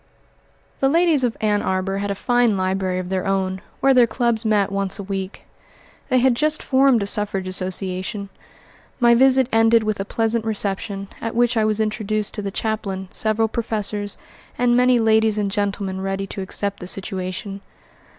The ladies of Ann Arbor had a fine library of their own, where their clubs met once a week. They had just formed a suffrage association. My visit ended with a pleasant reception, at which I was introduced to the chaplain, several professors, and many ladies and gentlemen ready to accept the situation.